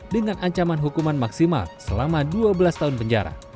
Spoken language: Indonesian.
dengan ancaman hukuman maksimal selama dua belas tahun penjara